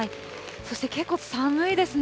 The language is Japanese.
そして結構寒いですね。